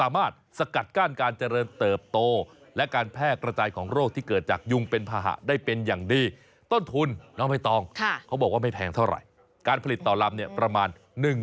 ผลิตต่อลำประมาณ๑แสนบาทเท่านั้นเอง